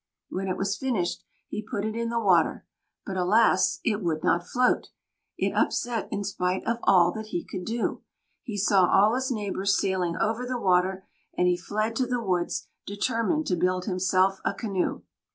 When it was finished, he put it in the water; but, alas, it would not float; it upset in spite of all that he could do. He saw all his neighbors sailing over the water, and he fled to the woods determined to build himself a canoe.